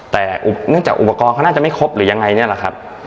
แต่เนื่องจากอุปกรณ์เขาน่าจะไม่ครบหรือยังไงเนี่ยแหละครับ